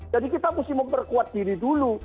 jadi kita mesti mau perkuat diri dulu